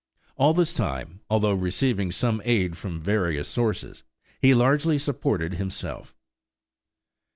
All this time, although receiving some aid from various sources, he largely supported himself.